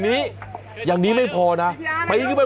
พี่นี่นี่บวปล่อยพี่